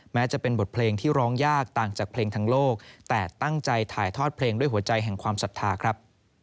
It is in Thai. แม้จะเป็นบทเพลงที่ร้องยากต่างจากเพลงทางโลกแต่ตั้งใจถ่ายทอดเพลงด้วยหัวใจแห่งความศรัทธาครับ